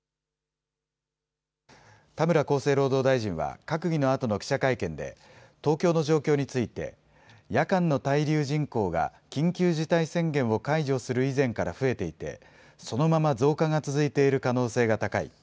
田村厚生労働大臣は、閣議のあとの記者会見で、東京の状況について、夜間の滞留人口が緊急事態宣言を解除する以前から増えていて、そのまま増加が続いている可能性が高い。